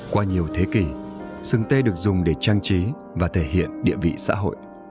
qua nhiều thế kỷ sừng tê được dùng để trang trí và thể hiện địa vị xã hội